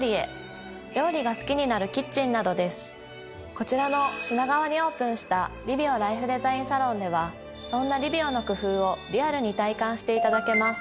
こちらの品川にオープンした「リビオライフデザイン！サロン」ではそんなリビオの工夫をリアルに体感していただけます。